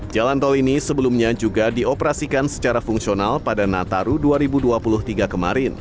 jalan tol ini sebelumnya juga dioperasikan secara fungsional pada nataru dua ribu dua puluh tiga kemarin